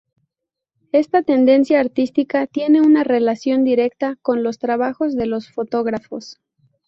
Esta tendencia artística tiene una relación directa con los trabajos de los fotógrafos.